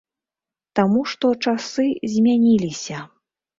Таму што часы змяніліся.